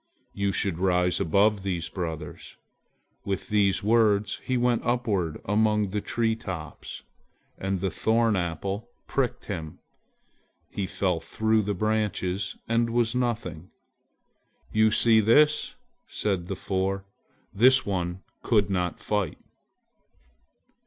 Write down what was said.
you should rise above these, brothers." With these words he went upward among the tree tops; and the thorn apple pricked him. He fell through the branches and was nothing! "You see this!" said the four, "this one could not fight."